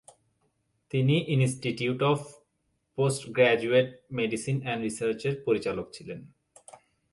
তিনি institute of post graduate medicine and research এর পরিচালক ছিলেন।